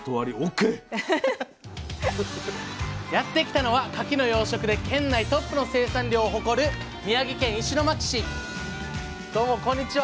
やって来たのはかきの養殖で県内トップの生産量を誇る宮城県石巻市どうもこんにちは。